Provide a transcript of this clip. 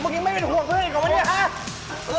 มึงไม่เป็นห่วงเพื่อนอีกเหรอ